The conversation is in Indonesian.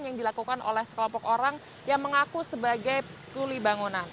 yang dilakukan oleh sekelompok orang yang mengaku sebagai kuli bangunan